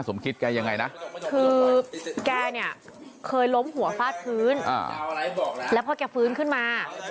สมคิดแกยังไงนะคือแกเนี่ยเคยล้มหัวฟาดพื้นแล้วพอแกฟื้นขึ้นมา